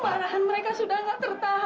kebarahan mereka sudah tidak tertahan pak